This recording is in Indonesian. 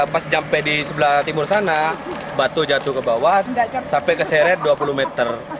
pas sampai di sebelah timur sana batu jatuh ke bawah sampai keseret dua puluh meter